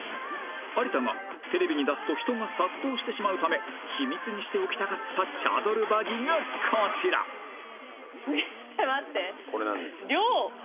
有田がテレビに出すと人が殺到してしまうため秘密にしておきたかったチャドルバギがこちらねえ待って量。